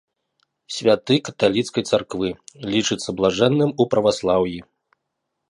Святы каталіцкай царквы, лічыцца блажэнным у праваслаўі.